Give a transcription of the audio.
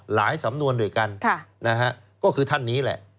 หลายสำนวนโดยกันค่ะนะฮะก็คือท่านนี้แหละ